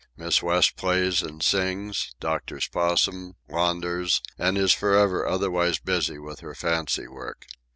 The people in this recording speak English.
Miss West plays and sings, doctors Possum, launders, and is forever otherwise busy with her fancy work.